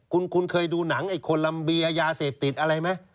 คุณเคยดูหนังไอ้คอนลำบียาเย่ยาเสพติดอะไรไหม